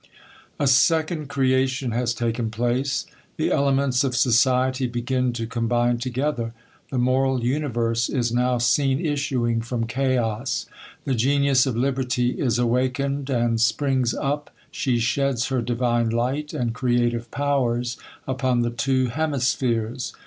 A SECOND creation has taken place; the ele* mcnts o^ society begin to ^ combine together ; the moral universe is now seen issuing from chaos ; the genius of liberty is awakened, and springs up ; she shedg her divine light and creative powers upon the two hemispheres.